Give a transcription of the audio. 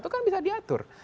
itu kan bisa diatur